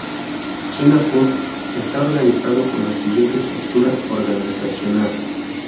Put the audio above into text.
China Post está organizado con la siguiente estructura organizacional.